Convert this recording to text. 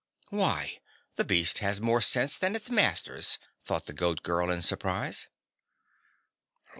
"Why, the beast has more sense than its masters," thought the Goat Girl in surprise.